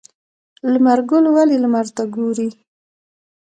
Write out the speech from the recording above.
لمر ګل ولې لمر ته ګوري؟